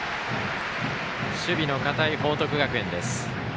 守備の堅い報徳学園です。